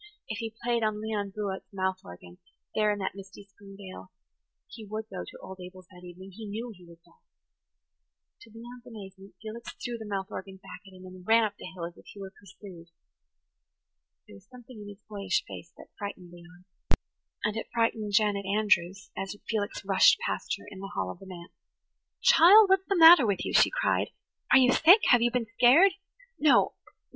If he played on Leon Buote's mouth organ, there in that misty spring dale, he would go to old Abel's that evening; he knew he would go. To Leon's amazement, Felix threw the mouth organ back at him and ran up the hill as if he were pursued. There was something in his boyish face that frightened Leon; and it frightened Janet Andrews as Felix rushed past her in the hall of the manse. [Page 98] "Child, what's the matter with you?" she cried. "Are you sick? Have you been scared?" "No, no.